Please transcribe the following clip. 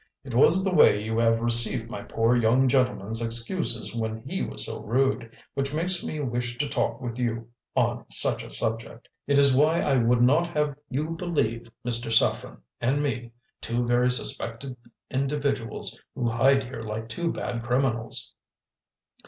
It was the way you have received my poor young gentleman's excuses when he was so rude, which make me wish to talk with you on such a subject; it is why I would not have you believe Mr. Saffren and me two very suspected individuals who hide here like two bad criminals!"